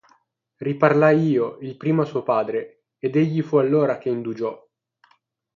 Riparlai io il primo a suo padre, ed egli fu allora che indugiò.